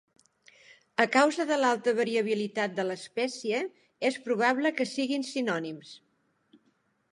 A causa de l'alta variabilitat de l'espècie, és probable que siguin sinònims.